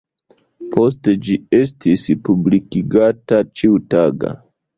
Poste ĝi estis publikigata ĉiutaga.